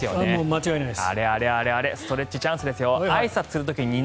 間違いないです。